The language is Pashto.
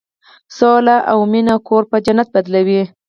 سوله او مینه کور په جنت بدلوي.